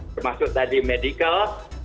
termasuk tadi medical